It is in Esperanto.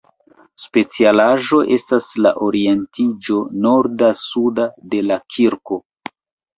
Specialaĵo estas la orientiĝo norda-suda de la kirko.